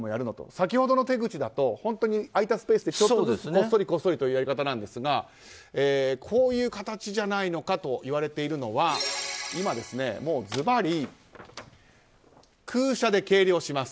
先ほどの手口だと本当に空いたスペースにちょっとずつこっそりというやり方なんですがこういう形じゃないのかといわれているのは空車で計量します。